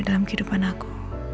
dalam kehidupan aku